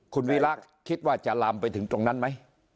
คุณวีระคิดว่าจะลามไปถึงตรงนั้นไหม